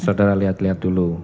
saudara lihat lihat dulu